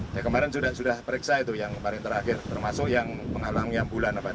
nah kemarin sudah periksa itu yang terakhir termasuk yang pengalaman yang bulan